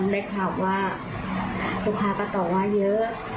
ได้ข่าวว่าลูกค้าก็ต่อว่าเยอะอะไรอย่างนี้ค่ะ